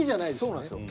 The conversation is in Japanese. そうなんですよ。